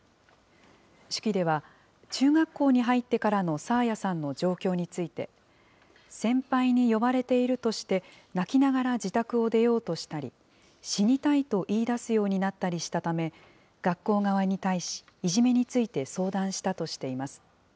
手記では、中学校に入ってからの爽彩さんの状況について、先輩に呼ばれているとして、泣きながら自宅を出ようとしたり、死にたいと言い出すようになったりしたため、学校側に対し、いじめについて相談したとしています。